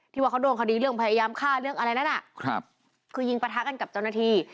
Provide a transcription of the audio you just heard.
ที่ว่าเขาโดนพยายามฆ่าคือยิงปะทะกันกับเจ้าหน้าที่